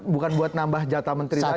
bukan buat nambah jatah menteri saja